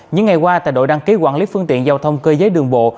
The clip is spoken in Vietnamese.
những ngày qua tại đội đăng ký quản lý phương tiện giao thông cơ giới đường bộ